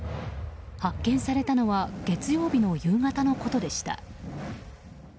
発見されたのは日曜日の夕方のことでした。